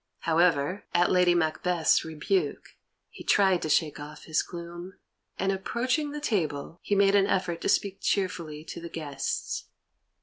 However, at Lady Macbeth's rebuke, he tried to shake off his gloom, and, approaching the table, he made an effort to speak cheerfully to the guests.